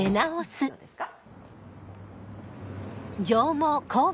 どうですか？